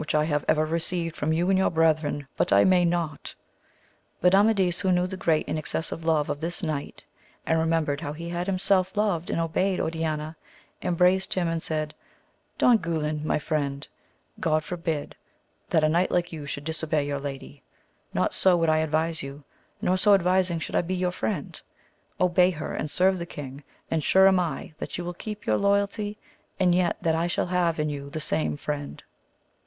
I have ever received from you and your brethren but I may not ! But Amadis who knew the great and excessive love of this knight, and remembered how he himself loved and obeyed Oriana, embraced him and said, Don Guilan my dear friend, God forbid that » knight like you should disobey your lady, not so would I advise you, nor so advising should I be your friend ; obey her and serve the king, and sure am I that you will keep your loyalty and yet that I shall have in you the same friend.